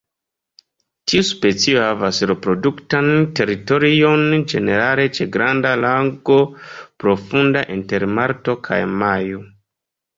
Tiu specio havas reproduktan teritorion, ĝenerale ĉe granda lago profunda, inter marto kaj majo.